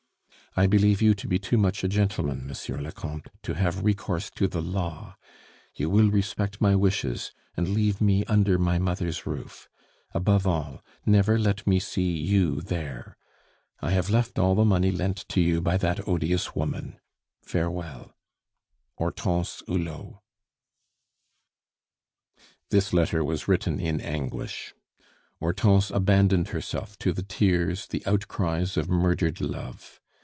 "I believe you to be too much a gentleman, Monsieur le Comte, to have recourse to the law. You will respect my wishes, and leave me under my mother's roof. Above all, never let me see you there. I have left all the money lent to you by that odious woman. Farewell. "HORTENSE HULOT." This letter was written in anguish. Hortense abandoned herself to the tears, the outcries of murdered love.